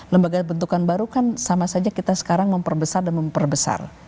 lembaga bentukan baru kan sama saja kita sekarang memperbesar dan memperbesar